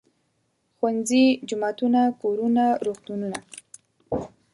ښوونځي، جوماتونه، کورونه، روغتونونه.